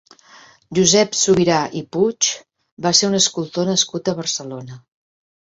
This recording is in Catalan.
Josep Subirà i Puig va ser un escultor nascut a Barcelona.